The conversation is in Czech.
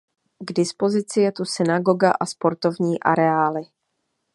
K dispozici je tu synagoga a sportovní areály.